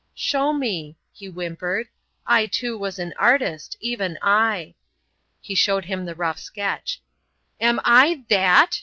"Show me," he whimpered. "I too was once an artist, even I!" Dick showed him the rough sketch. "Am I that?"